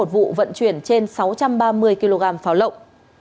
một vụ vận chuyển trên sáu trăm ba mươi kg pháo lộng